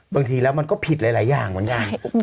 บางทีแล้วมันก็ผิดหลายอย่างเหมือนกัน